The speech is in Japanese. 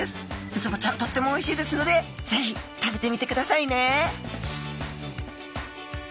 ウツボちゃんとってもおいしいですのでぜひ食べてみてくださいね！